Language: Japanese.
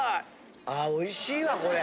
ああおいしいわこれ。